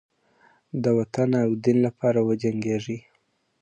د وطن او دین لپاره وجنګیږي.